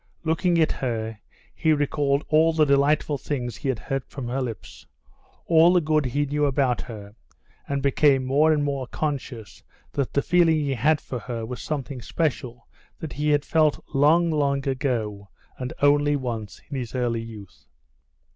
Looking at her, he recalled all the delightful things he had heard from her lips, all the good he knew about her, and became more and more conscious that the feeling he had for her was something special that he had felt long, long ago, and only once, in his early youth.